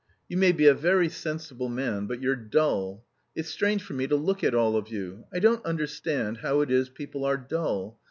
"You may be a very sensible man but you're dull. It's strange for me to look at all of you. I don't understand how it is people are dull.